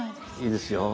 いいですよ。